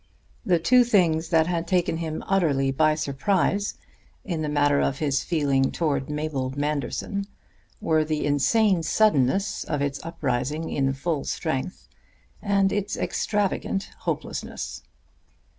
The two things that had taken him utterly by surprise in the matter of his feeling towards Mabel Manderson were the insane suddenness of its uprising in full strength and its extravagant hopelessness.